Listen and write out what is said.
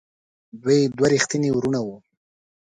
دوی دوه ریښتیني وروڼه وو.